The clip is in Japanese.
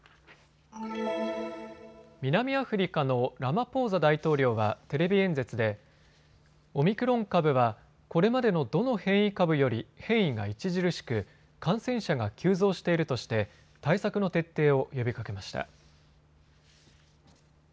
南アフリカのラマポーザ大統領はテレビ演説でオミクロン株はこれまでのどの変異株より変異が著しく感染者が急増しているとして対策の徹底を呼びかけました。